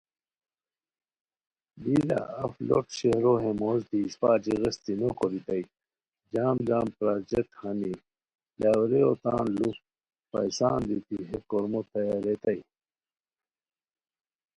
دی لہ اف لوٹ شہرو ہے موش دی اسپہ اچی غیستی نوکوریتائے جم جم پراجیکٹ ہانی، لواریو تان لو پیسان دیتی ہے کورمو تیاریتائے وا